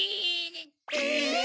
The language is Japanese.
え！